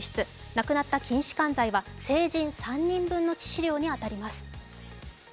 なくなった筋しかん剤は成人３人分の致死量に当たります。